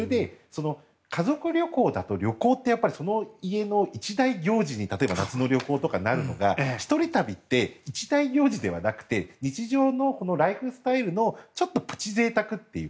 家族旅行だと旅行ってその家の一大行事に夏の旅行だとなるのが一人旅って一大行事ではなくて日常のライフスタイルのちょっとプチぜいたくという。